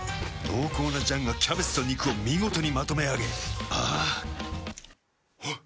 濃厚な醤がキャベツと肉を見事にまとめあげあぁあっ。